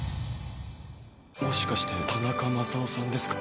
もしかして田中マサオさんですか？